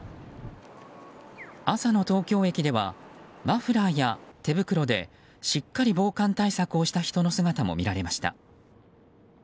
朝の東京駅ではマフラーや手袋でしっかり防寒対策をした人の姿も見られました。